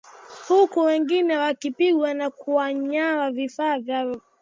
huku wengine wakipigwa na kunyanganywa vifaa vyao vya kazi